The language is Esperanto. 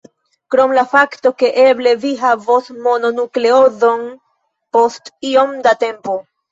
Krom la fakto ke eble vi havos mononukleozon post iom da tempo.